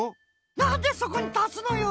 なんでそこにたすのよ！